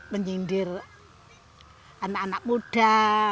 menyindir anak anak muda